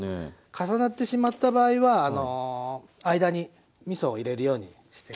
重なってしまった場合はあの間にみそを入れるようにして下さい。